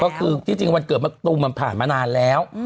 ก็คือที่จริงวันเกิดมะตูมมันผ่านมานานแล้ว